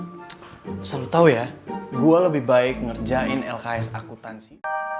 saya selalu tahu ya gue lebih baik ngerjain lks akutansi